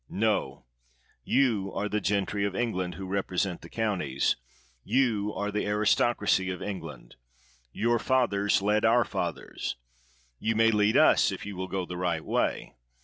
No ! You are the gentry of Eng land who represent the counties. You are the 176 COBDEN aristocracy of England. Your fathers led our fathers ; you may lead us if you will go the right way.